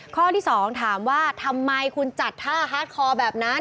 ข้อที่๒ถามว่าทำไมคุณจัดท่าฮาร์ดคอแบบนั้น